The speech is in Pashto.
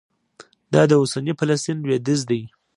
دا د اوسني فلسطین لوېدیځ دی.